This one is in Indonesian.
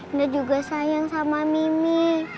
anda juga sayang sama mimi